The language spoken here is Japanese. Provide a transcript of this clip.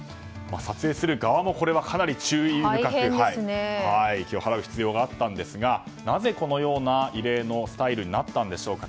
撮影する側もかなり注意深く気を払う必要があったんですがなぜこのような異例のスタイルになったんでしょうか。